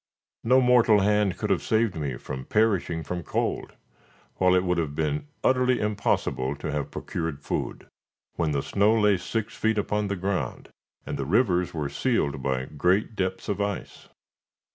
No mortal hand could have saved me from perishing from cold, while it would have been utterly impossible to have procured food, when the snow lay six feet upon the ground, and the rivers were sealed by great depths of ice.